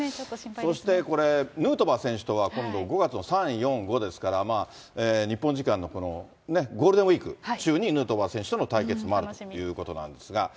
そしてこれ、ヌートバー選手とは、今度５月の３、４、５ですから、日本時間のこのゴールデンウィーク中にヌートバー選手との対決もあるということなんですが。